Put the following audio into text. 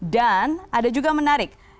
dan ada juga menarik